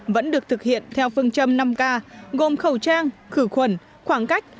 vẫn được thực hiện theo phương châm năm k gồm khẩu trang khử khuẩn khoảng cách